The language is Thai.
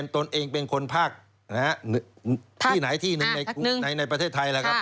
ตนเองเป็นคนภาคที่ไหนที่นึงในประเทศไทย